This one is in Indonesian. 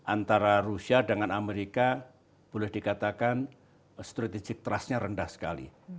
antara rusia dengan amerika boleh dikatakan strategic trustnya rendah sekali